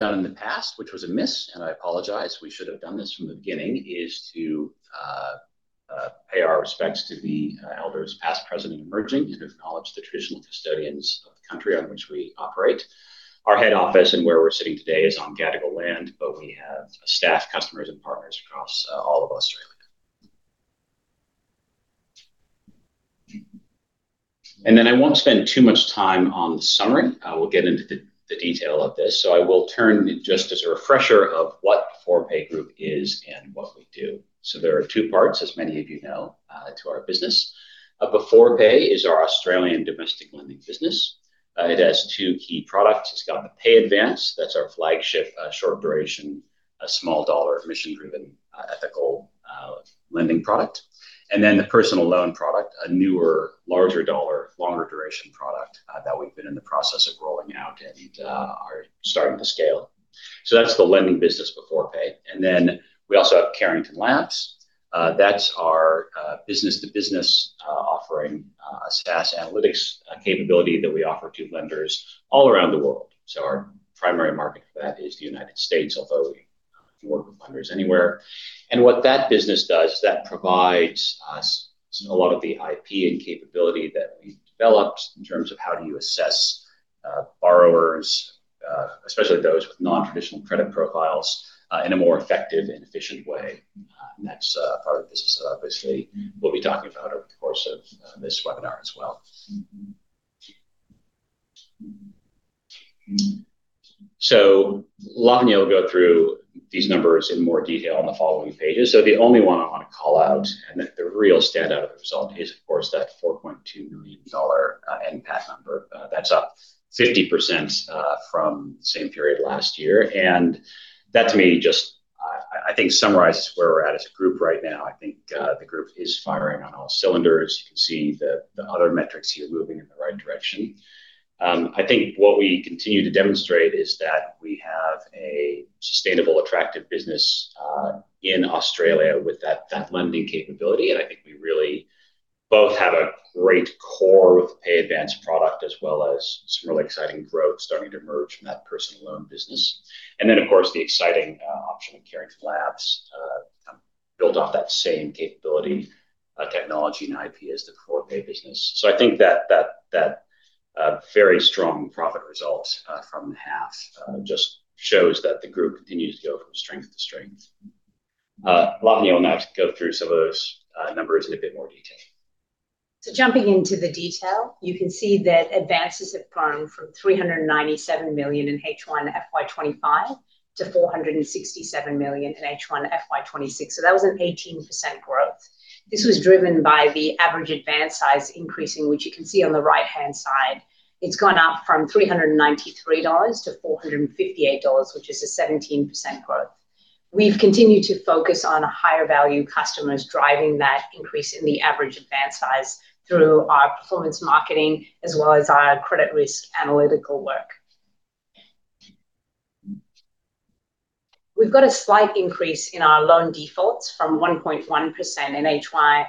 done in the past, which was amiss, and I apologize, we should have done this from the beginning, is to pay our respects to the elders, past, present, and emerging, and acknowledge the traditional custodians of the country on which we operate. Our head office and where we're sitting today is on Gadigal land, but we have staff, customers, and partners across all of Australia. I won't spend too much time on the summary. I will get into the detail of this. I will turn, just as a refresher of what Beforepay Group is and what we do. There are two parts, as many of you know, to our business. Beforepay is our Australian domestic lending business. It has two key products. It's got the Pay Advance, that's our flagship, short duration, a small dollar, mission-driven, ethical lending product. The Personal Loan product, a newer, larger dollar, longer duration product that we've been in the process of rolling out and are starting to scale. That's the lending business Beforepay. We also have Carrington Labs. That's our business-to-business offering, SaaS analytics capability that we offer to lenders all around the world. Our primary market for that is the United States, although we work with lenders anywhere. What that business does, is that provides us a lot of the IP and capability that we've developed in terms of how do you assess borrowers, especially those with non-traditional credit profiles, in a more effective and efficient way. That's part of the business that obviously we'll be talking about over the course of this webinar as well. Laavanya will go through these numbers in more detail on the following pages. The only one I want to call out, and the real standout of the result is, of course, that 4.2 million dollar NPAT number. That's up 50% from the same period last year. That, to me, just, I think, summarizes where we're at as a group right now. I think the group is firing on all cylinders. You can see the other metrics here moving in the right direction. I think what we continue to demonstrate is that we have a sustainable, attractive business in Australia with that lending capability, and I think we really both have a great core with Pay Advance product, as well as some really exciting growth starting to emerge from that Personal Loan business. Of course, the exciting option of Carrington Labs, kind of build off that same capability, technology, and IP as the Beforepay business. So I think that very strong profit result from the half just shows that the group continues to go from strength to strength. Laavanya will now go through some of those numbers in a bit more detail. Jumping into the detail, you can see that advances have grown from 397 million in H1 FY25 to 467 million in H1 FY26, that was an 18% growth. This was driven by the average advance size increasing, which you can see on the right-hand side. It's gone up from 393 dollars to 458 dollars, which is a 17% growth. We've continued to focus on higher value customers, driving that increase in the average advance size through our performance marketing, as well as our credit risk analytical work. We've got a slight increase in our loan defaults from 1.1% in H1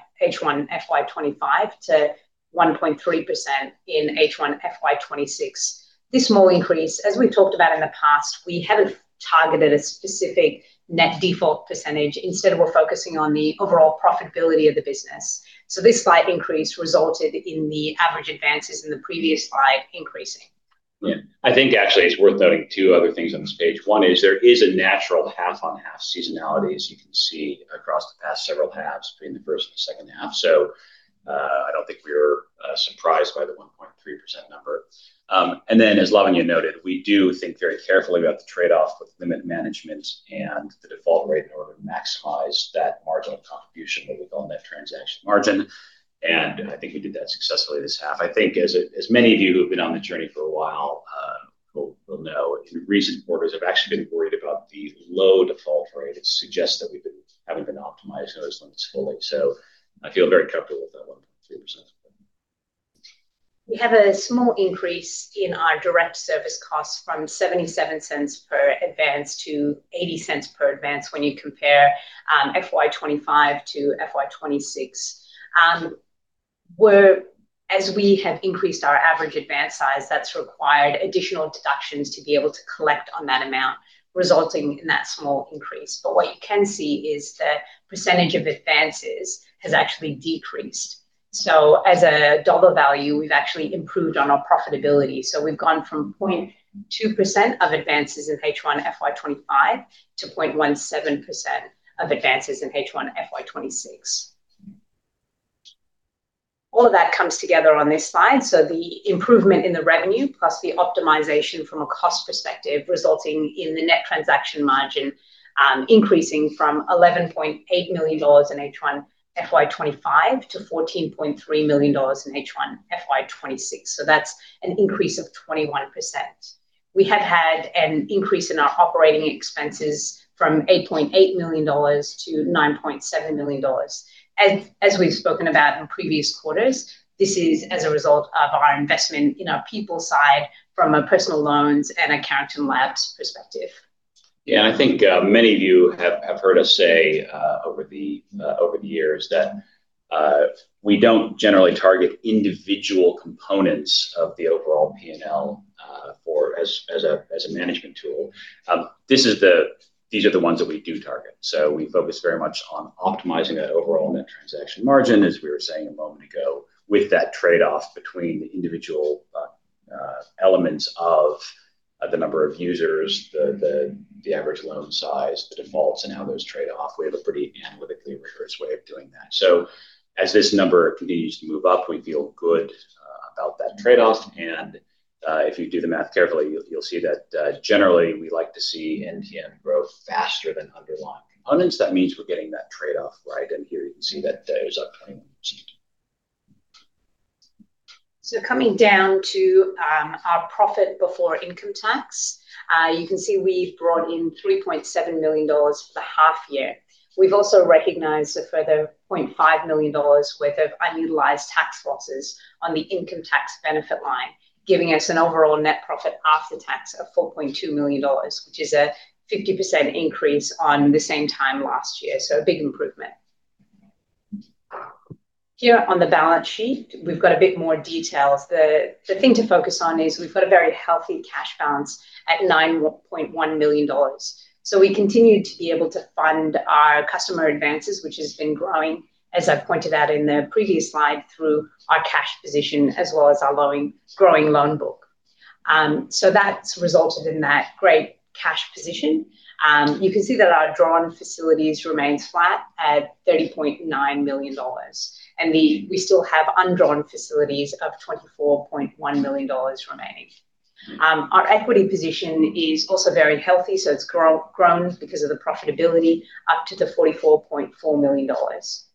FY25 to 1.3% in H1 FY26. This small increase, as we've talked about in the past, we haven't targeted a specific net default percentage. Instead, we're focusing on the overall profitability of the business. This slight increase resulted in the average advances in the previous slide increasing. Yeah. I think actually it's worth noting two other things on this page. One is there is a natural half-on-half seasonality, as you can see across the past several halves between the first and second half. I don't think we're surprised by the 1.3% number. As Laavanya noted, we do think very carefully about the trade-off with limit management and the default rate in order to maximize that marginal contribution, what we call net transaction margin, and I think we did that successfully this half. I think as many of you who have been on the journey for a while, will know, in recent quarters, I've actually been worried about the low default rate. It suggests that we haven't been optimizing those limits fully, I feel very comfortable with that 1.3%. We have a small increase in our direct service costs from 0.77 per advance to 0.80 per advance when you compare FY25 to FY26. As we have increased our average advance size, that's required additional deductions to be able to collect on that amount, resulting in that small increase. What you can see is the percentage of advances has actually decreased. As a dollar value, we've actually improved on our profitability. We've gone from 0.2% of advances in H1 FY25 to 0.17% of advances in H1 FY26. All of that comes together on this slide, the improvement in the revenue, plus the optimization from a cost perspective, resulting in the net transaction margin increasing from 11.8 million dollars in H1 FY25 to 14.3 million dollars in H1 FY26. That's an increase of 21%. We have had an increase in our operating expenses from 8.8 million dollars to 9.7 million dollars. As we've spoken about in previous quarters, this is as a result of our investment in our people side from a Personal Loans and a Carrington Labs perspective. Yeah, I think many of you have heard us say over the years, that we don't generally target individual components of the overall PNL for as a management tool. These are the ones that we do target. We focus very much on optimizing that overall net transaction margin, as we were saying a moment ago, with that trade-off between the individual elements of the number of users, the average loan size, the defaults, and how those trade off. We have a pretty analytically rigorous way of doing that. As this number continues to move up, we feel good about that trade-off. If you do the math carefully, you'll see that generally, we like to see NPN grow faster than underlying components. That means we're getting that trade-off right, and here you can see that it is up 21%. Coming down to our profit before income tax, you can see we've brought in 3.7 million dollars for the half year. We've also recognized a further 0.5 million dollars worth of unutilized tax losses on the income tax benefit line, giving us an overall NPAT of 4.2 million dollars, which is a 50% increase on the same time last year. A big improvement. Here on the balance sheet, we've got a bit more details. The thing to focus on is we've got a very healthy cash balance at 9.1 million dollars. We continued to be able to fund our customer advances, which has been growing, as I pointed out in the previous slide, through our cash position, as well as our growing loan book. That's resulted in that great cash position. You can see that our drawn facilities remains flat at 30.9 million dollars, and we still have undrawn facilities of 24.1 million dollars remaining. Our equity position is also very healthy, it's grown because of the profitability up to the 44.4 million dollars.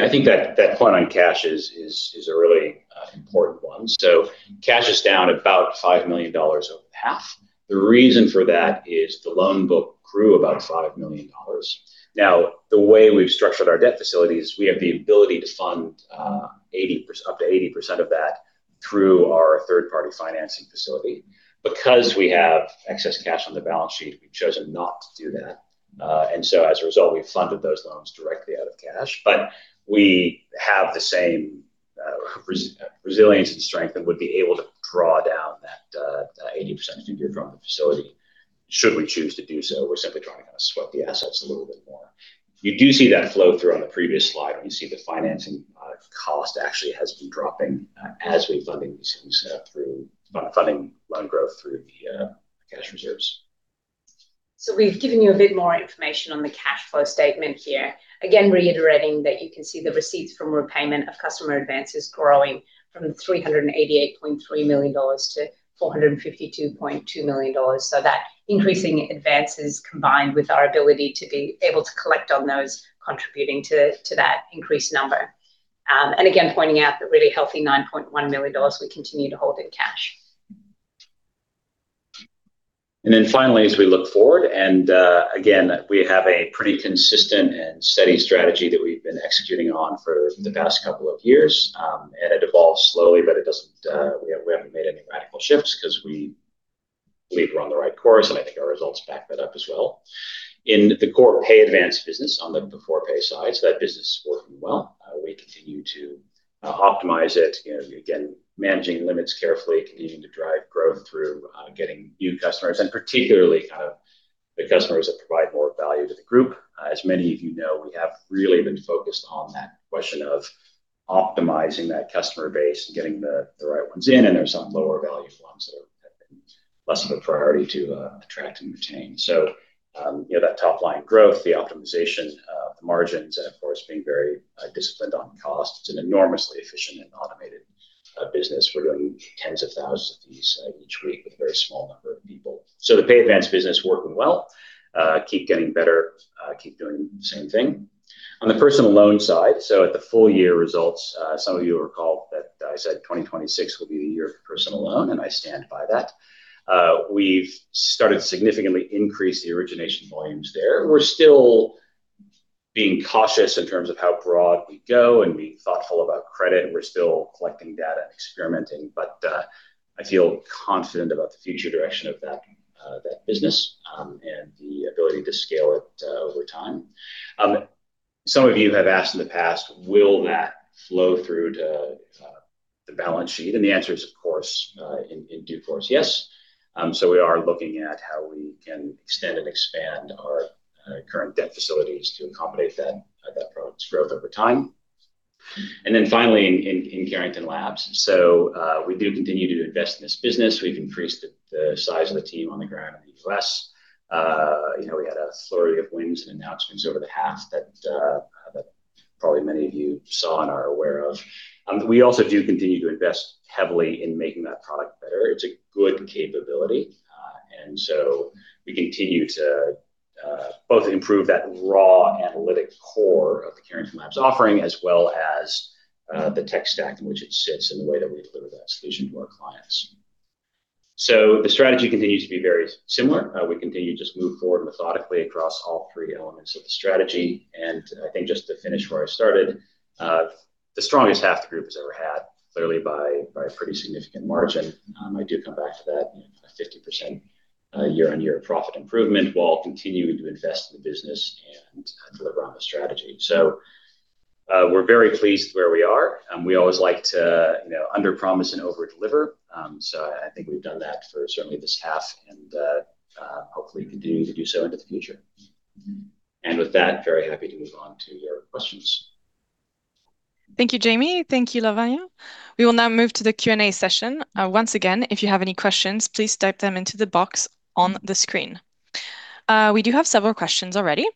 I think that point on cash is a really important one. Cash is down about 5 million dollars over half. The reason for that is the loan book grew about 5 million dollars. The way we've structured our debt facilities, we have the ability to fund up to 80% of that through our third-party financing facility. Because we have excess cash on the balance sheet, we've chosen not to do that. As a result, we've funded those loans directly out of cash. We have the same resilience and strength, and would be able to draw down that 80% if we drew down the facility, should we choose to do so. We're simply trying to sweat the assets a little bit more. You do see that flow through on the previous slide, where you see the financing cost actually has been dropping as we're funding these things through funding loan growth through the cash reserves. We've given you a bit more information on the cash flow statement here. Again, reiterating that you can see the receipts from repayment of customer advances growing from 388.3 million dollars to 452.2 million dollars. That increasing advances, combined with our ability to be able to collect on those, contributing to that increased number. Again, pointing out the really healthy 9.1 million dollars we continue to hold in cash. Finally, as we look forward, and again, we have a pretty consistent and steady strategy that we've been executing on for the past couple of years. It evolves slowly, but it doesn't, we haven't made any radical shifts, 'cause we believe we're on the right course, and I think our results back that up as well. In the core Pay Advance business, on the Beforepay side, that business is working well. We continue to optimize it, you know, again, managing limits carefully, continuing to drive growth through getting new customers, and particularly, the customers that provide more value to the group. As many of you know, we have really been focused on that question of optimizing that customer base and getting the right ones in. There are some lower value ones that are, have been less of a priority to attract and retain. You know, that top line growth, the optimization of the margins, and of course, being very disciplined on cost. It's an enormously efficient and automated business. We're doing tens of thousands of these each week with a very small number of people. The Pay Advance business working well, keep getting better, keep doing the same thing. On the Personal Loan side, at the full year results, some of you will recall that I said 2026 will be the year of Personal Loan. I stand by that. We've started to significantly increase the origination volumes there. We're still being cautious in terms of how broad we go and being thoughtful about credit, and we're still collecting data and experimenting. I feel confident about the future direction of that business and the ability to scale it over time. Some of you have asked in the past, "Will that flow through to the balance sheet?" The answer is, of course, in due course, yes. We are looking at how we can extend and expand our current debt facilities to accommodate that product's growth over time. Finally, in Carrington Labs. We do continue to invest in this business. We've increased the size of the team on the ground in the U.S. You know, we had a flurry of wins and announcements over the half that probably many of you saw and are aware of. We also do continue to invest heavily in making that product better. It's a good capability, and so we continue to both improve that raw analytic core of the Carrington Labs offering, as well as the tech stack in which it sits and the way that we deliver that solution to our clients. The strategy continues to be very similar. We continue to just move forward methodically across all three elements of the strategy, and I think just to finish where I started, the strongest half the group has ever had, clearly by a pretty significant margin. I do come back to that 50% year-on-year profit improvement, while continuing to invest in the business and deliver on the strategy. We're very pleased with where we are, and we always like to, you know, underpromise and overdeliver. I think we've done that for certainly this half and hopefully continuing to do so into the future. With that, very happy to move on to your questions. Thank you, Jamie. Thank you, Laavanya. We will now move to the Q&A session. Once again, if you have any questions, please type them into the box on the screen. We do have several questions already.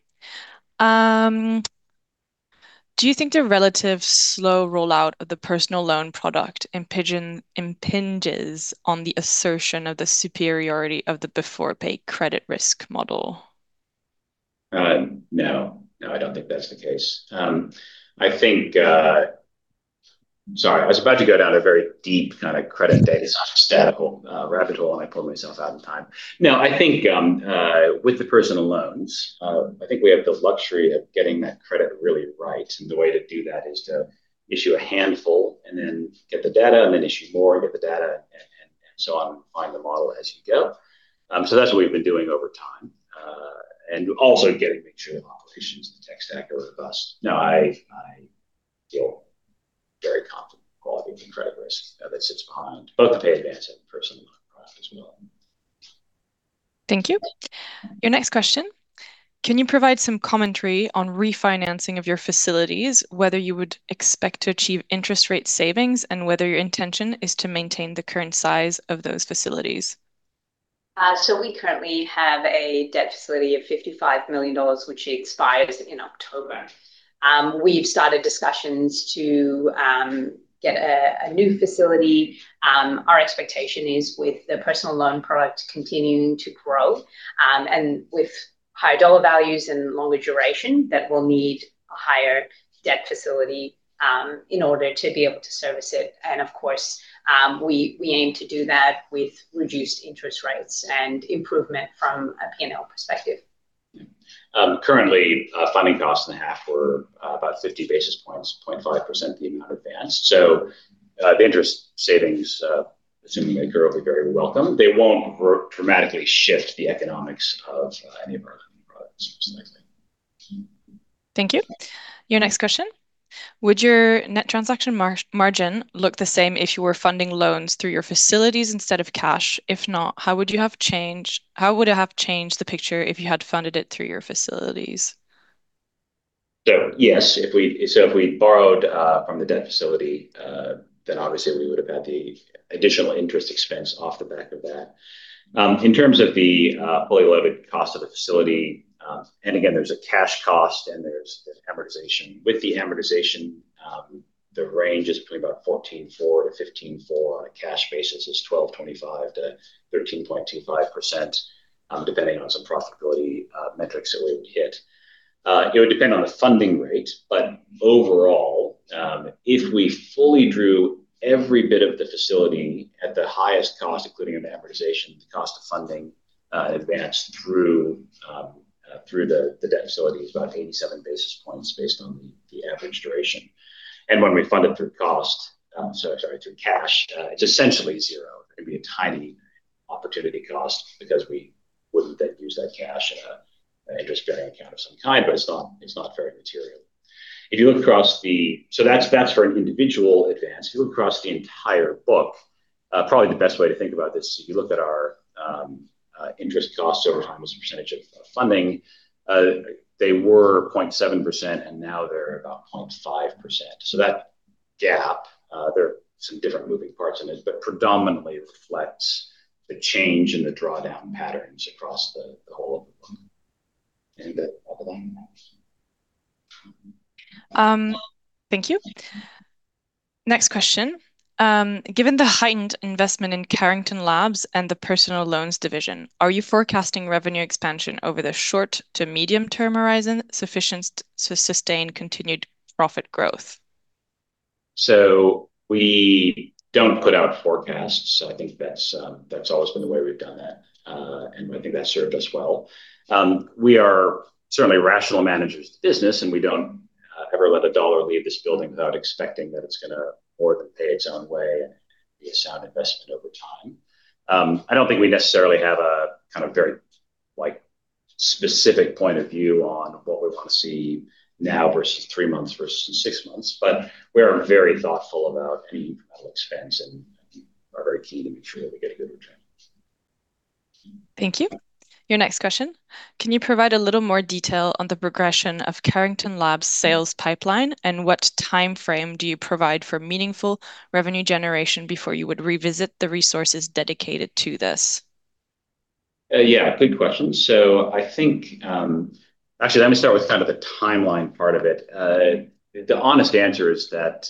Do you think the relative slow rollout of the Personal Loan product impinges on the assertion of the superiority of the Beforepay credit risk model? No. No, I don't think that's the case. I think, Sorry, I was about to go down a very deep kind of credit data, statistical, rabbit hole, and I pulled myself out in time. I think, with the Personal Loan, I think we have the luxury of getting that credit really right, and the way to do that is to issue a handful and then get the data, and then issue more, and get the data, and so on. Find the model as you go. That's what we've been doing over time, and also getting make sure the operations and the tech stack are robust. I feel very confident in the quality of the credit risk that sits behind both the Pay Advance and Personal Loan product as well. Thank you. Your next question: Can you provide some commentary on refinancing of your facilities, whether you would expect to achieve interest rate savings, and whether your intention is to maintain the current size of those facilities? We currently have a debt facility of 55 million dollars, which expires in October. We've started discussions to get a new facility. Our expectation is with the Personal Loan product continuing to grow, and with higher dollar values and longer duration, that we'll need a higher debt facility in order to be able to service it. Of course, we aim to do that with reduced interest rates and improvement from a PNL perspective. Currently, funding costs in the half were about 50 basis points, 0.5% the amount advanced. The interest savings, assuming they occur, will be very welcome. They won't dramatically shift the economics of any of our products specifically. Thank you. Your next question: Would your net transaction margin look the same if you were funding loans through your facilities instead of cash? If not, how would it have changed the picture if you had funded it through your facilities? Yes, if we borrowed from the debt facility, obviously we would have had the additional interest expense off the back of that. In terms of the fully loaded cost of the facility, again, there's a cash cost, and there's this amortization. With the amortization, the range is between about 14.4%-15.4%. On a cash basis is 12.25%-13.25%, depending on some profitability metrics that we would hit. It would depend on the funding rate, overall, if we fully drew every bit of the facility at the highest cost, including an amortization, the cost of funding advanced through the debt facility is about 87 basis points based on the average duration. When we fund it through cash, it's essentially zero. It'd be a tiny opportunity cost because we wouldn't then use that cash in an interest-bearing account of some kind, but it's not very material. If you look across the... That's for an individual advance. If you look across the entire book, probably the best way to think about this, if you looked at our interest costs over time as a percentage of funding, they were 0.7%, and now they're about 0.5%. That gap, there are some different moving parts in it, but predominantly, it reflects the change in the drawdown patterns across the whole of the book. Other than that. Thank you. Next question. Given the heightened investment in Carrington Labs and the personal loans division, are you forecasting revenue expansion over the short to medium-term horizon, sufficient to sustain continued profit growth? We don't put out forecasts. I think that's that's always been the way we've done that. I think that served us well. We are certainly rational managers of the business, and we don't ever let a dollar leave this building without expecting that it's gonna more than pay its own way and be a sound investment over time. I don't think we necessarily have a kind of very, like, specific point of view on what we want to see now versus three months versus six months, but we are very thoughtful about any expense and are very keen to make sure that we get a good return. Thank you. Your next question: Can you provide a little more detail on the progression of Carrington Labs' sales pipeline, what timeframe do you provide for meaningful revenue generation before you would revisit the resources dedicated to this? Yeah, good question. I think. Actually, let me start with kind of the timeline part of it. The honest answer is that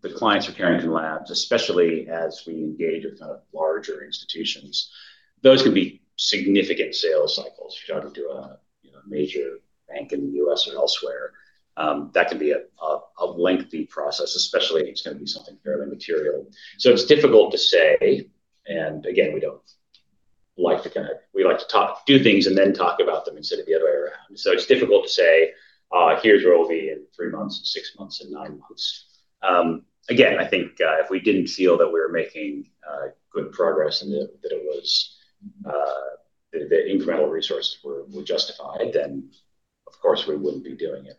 the clients of Carrington Labs, especially as we engage with kind of larger institutions, those can be significant sales cycles. If you're talking to a, you know, a major bank in the U.S. or elsewhere, that can be a lengthy process, especially if it's gonna be something fairly material. It's difficult to say, and again, we like to kind of, we like to talk, do things and then talk about them instead of the other way around. It's difficult to say, here's where we'll be in three months, six months, and nine months. Again, I think, if we didn't feel that we were making good progress and that it was the incremental resources were justified, then, of course, we wouldn't be doing it.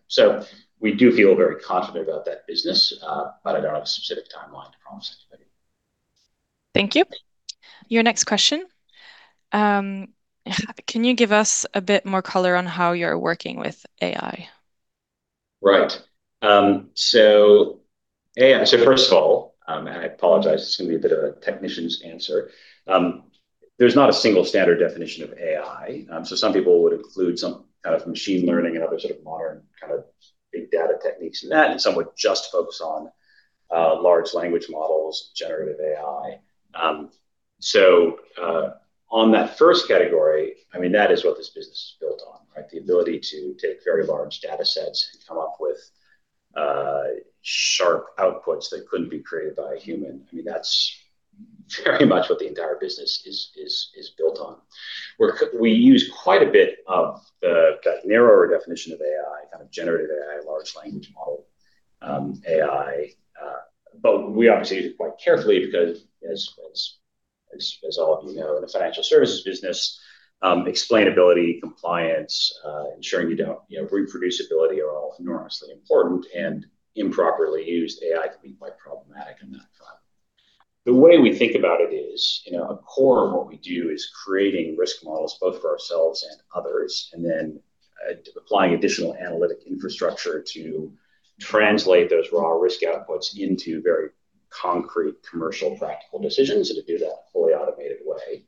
We do feel very confident about that business, but I don't have a specific timeline to promise anybody. Thank you. Your next question: Can you give us a bit more color on how you're working with AI? Right. I apologize, it's gonna be a bit of a technician's answer. There's not a single standard definition of AI. Some people would include some kind of machine learning and other sort of modern kind of big data techniques, and that, and some would just focus on large language models, generative AI. On that first category, I mean, that is what this business is built on, right? The ability to take very large data sets and come up with sharp outputs that couldn't be created by a human. I mean, that's very much what the entire business is built on, where we use quite a bit of the, that narrower definition of AI, kind of generative AI, large language model, AI. We obviously use it quite carefully because as all of you know, in the financial services business, explainability, compliance, ensuring you don't. You know, reproducibility are all enormously important, and improperly used AI can be quite problematic in that front. The way we think about it is, you know, a core of what we do is creating risk models both for ourselves and others, and then applying additional analytic infrastructure to translate those raw risk outputs into very concrete, commercial, practical decisions, and to do that in a fully automated way.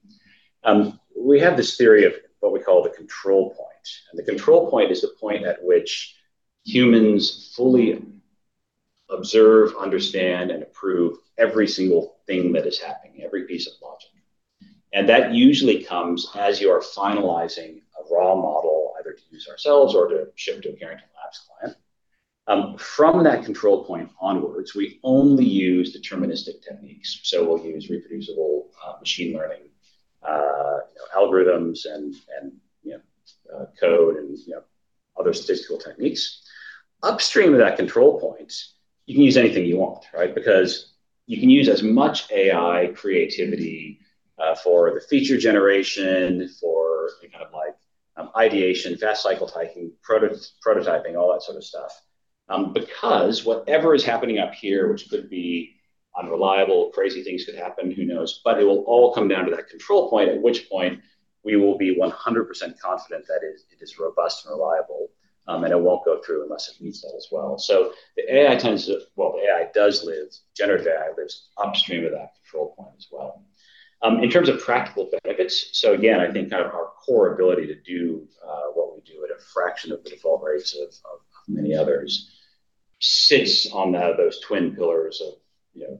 We have this theory of what we call the control point. The control point is the point at which humans fully observe, understand, and approve every single thing that is happening, every piece of logic. That usually comes as you are finalizing a raw model, either to use ourselves or to ship to a Carrington Labs client. From that control point onwards, we only use deterministic techniques. We'll use reproducible, machine learning, you know, algorithms and, you know, code and, you know, other statistical techniques. Upstream of that control point, you can use anything you want, right? You can use as much AI creativity, for the feature generation, for any kind of like, ideation, fast cycle typing, prototyping, all that sort of stuff. Whatever is happening up here, which could be unreliable, crazy things could happen, who knows? It will all come down to that control point, at which point we will be 100% confident that it is robust and reliable, and it won't go through unless it meets that as well. The AI does live, generative AI lives upstream of that control point as well. In terms of practical benefits, again, I think our core ability to do what we do at a fraction of the default rates of many others sits on that, those twin pillars of, you know,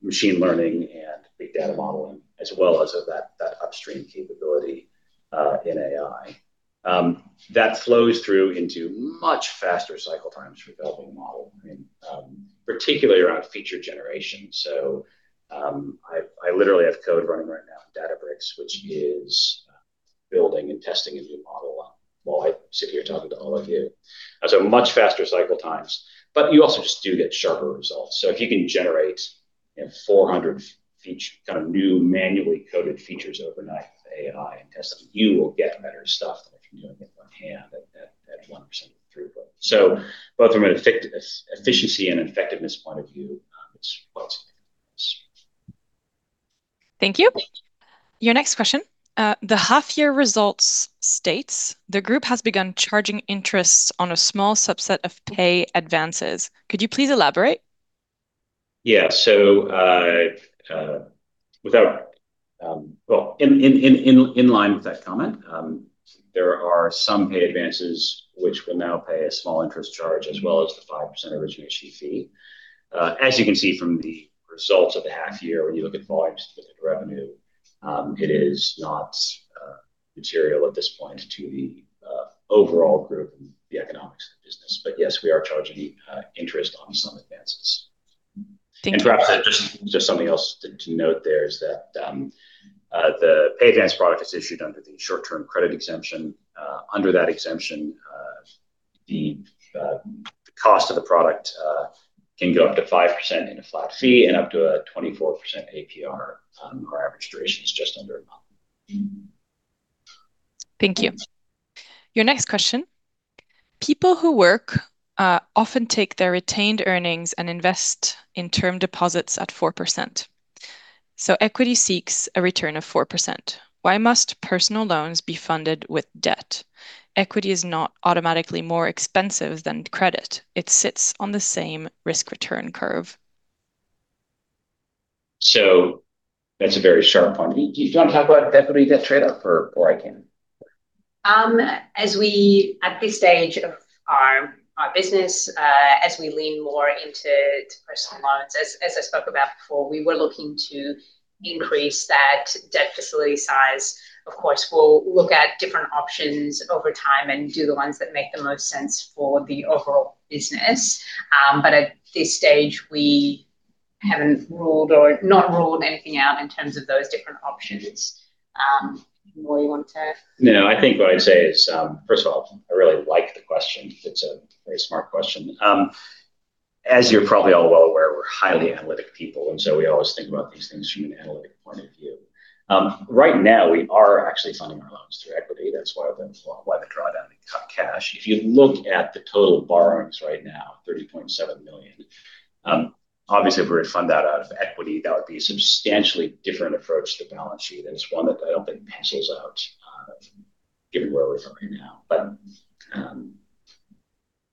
machine learning and big data modeling, as well as of that upstream capability in AI. That flows through into much faster cycle times for developing a model, and particularly around feature generation. I literally have code running right now, Databricks, which is building and testing a new model while I sit here talking to all of you. So much faster cycle times, but you also just do get sharper results. If you can generate, you know, 400 feature kind of new, manually coded features overnight with AI and test them, you will get better stuff than if you're doing it by hand at 1% throughput. Both from an efficiency and effectiveness point of view, it's possible. Thank you. Your next question: The half year results states, "The group has begun charging interest on a small subset of Pay Advances." Could you please elaborate? In line with that comment, there are some pay advances which will now pay a small interest charge, as well as the 5% origination fee. As you can see from the results of the half year, when you look at volumes with revenue, it is not material at this point to the overall Group and the economics of the business. Yes, we are charging interest on some advances. Thank you. Perhaps just something else to note there is that the Pay Advance product is issued under the short-term credit exemption. Under that exemption, the cost of the product can go up to 5% in a flat fee and up to a 24% APR. Our average duration is just under a month. Thank you. Your next question: People who work, often take their retained earnings and invest in term deposits at 4%, so equity seeks a return of 4%. Why must Personal Loans be funded with debt? Equity is not automatically more expensive than credit. It sits on the same risk-return curve. That's a very sharp point. Do you want to talk about equity-debt trade-off, or I can? At this stage of our business, as we lean more into Personal Loans, as I spoke about before, we were looking to increase that debt facility size. Of course, we'll look at different options over time and do the ones that make the most sense for the overall business. At this stage, we haven't ruled or not ruled anything out in terms of those different options. Roy, you want. No, I think what I'd say is, first of all, I really like the question. It's a very smart question. As you're probably all well aware, we're highly analytic people, and so we always think about these things from an analytic point of view. Right now, we are actually funding our loans through equity. That's one of the reasons why the drawdown in top cash. If you look at the total borrowings right now, 30.7 million, obviously, if we were to fund that out of equity, that would be a substantially different approach to the balance sheet, and it's one that I don't think pencils out, given where we're from right now.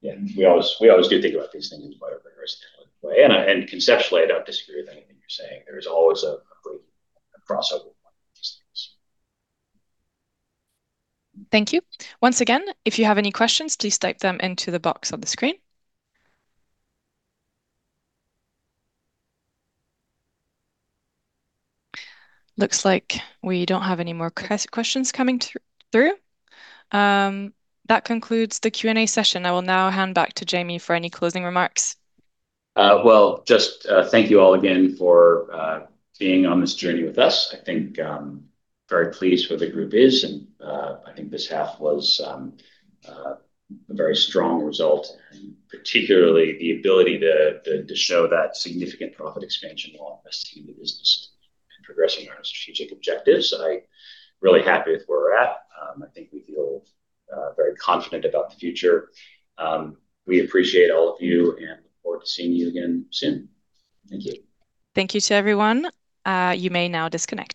Yeah, we always, we always do think about these things by a very similar way, and conceptually, I don't disagree with anything you're saying. There is always a break, a crossover point in these things. Thank you. Once again, if you have any questions, please type them into the box on the screen. Looks like we don't have any more questions coming through. That concludes the Q&A session. I will now hand back to Jamie for any closing remarks. Well, just, thank you all again for being on this journey with us. I think, very pleased where the group is, and I think this half was a very strong result, and particularly the ability to show that significant profit expansion while investing in the business and progressing our strategic objectives. Really happy with where we're at. I think we feel very confident about the future. We appreciate all of you and look forward to seeing you again soon. Thank you. Thank you to everyone. You may now disconnect.